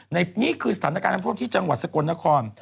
นี่คือสถานการณ์ที่จังหวัดสกลนคร